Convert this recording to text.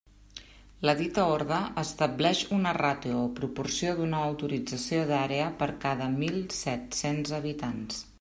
La dita orde establix una ràtio o proporció d'una autorització d'àrea per cada mil set-cents habitants.